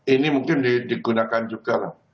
ini mungkin digunakan juga lah